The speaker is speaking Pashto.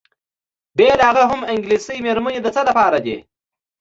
بېله هغه هم انګلیسۍ میرمنې بل د څه لپاره دي؟